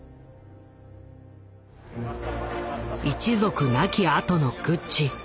一族亡き後のグッチ。